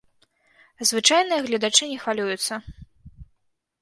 А звычайныя гледачы не хвалююцца.